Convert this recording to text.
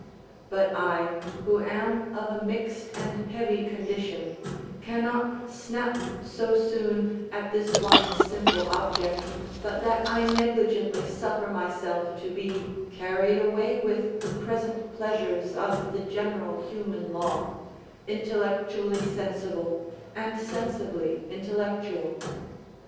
But I, who am of a mixed and heavy condition, cannot snap so soon at this one simple object, but that I negligently suffer myself to be carried away with the present pleasures of the, general human law, intellectually sensible, and sensibly intellectual.